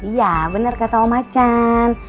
iya bener kata om acan